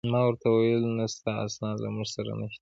ما ورته وویل: نه، ستا اسناد له موږ سره نشته.